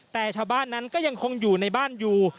แต่ชาวบ้านนั้นก็ยังคงอยู่ในบ้านอยู่